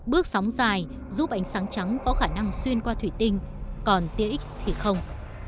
bước sóng dài giúp ánh sáng trắng có khả năng xuyên qua thủy tinh còn tia x thì không